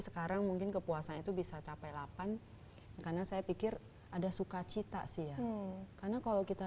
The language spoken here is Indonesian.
sekarang mungkin kepuasan itu bisa capai delapan karena saya pikir ada sukacita sih ya karena kalau kita